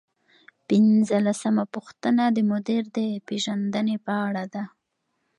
پنځلسمه پوښتنه د مدیر د پیژندنې په اړه ده.